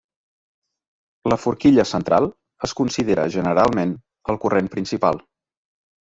La Forquilla central es considera generalment el corrent principal.